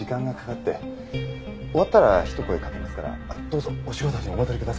終わったらひと声かけますからどうぞお仕事にお戻りください。